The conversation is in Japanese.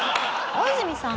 大泉さん